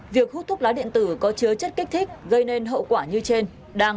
việc hút thuốc lá điện tử có chứa chất kích thích gây nên hậu quả như trên